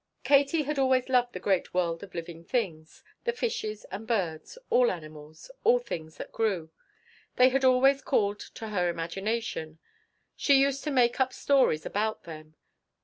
Katie had always loved the great world of living things the fishes and birds all animals all things that grew. They had always called to her imagination she used to make up stories about them.